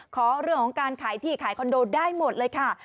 ขอเรื่องของการขายที่ขายคอนโดได้หมดเลยค่ะ